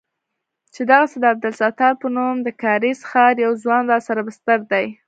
چې دغسې د عبدالستار په نوم د کارېز ښار يو ځوان راسره بستر دى.